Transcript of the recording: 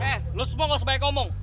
hei lo semua gak usah banyak ngomong